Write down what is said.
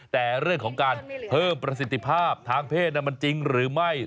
แต่เรื่องของการเพิ่มประสิทธิภาพทางเพศมันจริงหรือไม่